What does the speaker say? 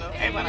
hei pak ranti